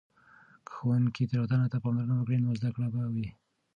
که ښوونکې تیروتنې ته پاملرنه وکړي، نو زده کړه به وي.